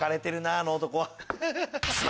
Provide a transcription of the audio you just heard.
あの男は。